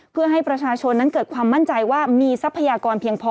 เพื่อให้ประชาชนนั้นเกิดความมั่นใจว่ามีทรัพยากรเพียงพอ